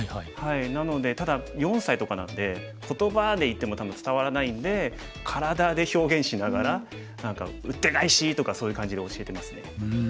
なのでただ４歳とかなんで言葉で言っても多分伝わらないんで体で表現しながら何か「ウッテガエシ！」とかそういう感じで教えてますね。